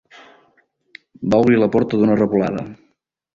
Va obrir la porta d'una revolada.